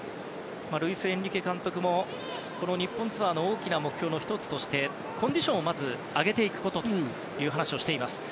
ルイス・エンリケ監督もこの日本ツアーの大きな目標の１つとしてコンディションをまず上げていくことという話をしています。